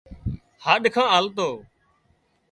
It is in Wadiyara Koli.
هاڏکان آلتو